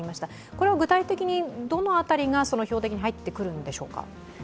これを具体的にどの辺りが、標的に入ってくるんでしょうか。